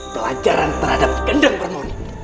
pelajaran terhadap gendeng permoni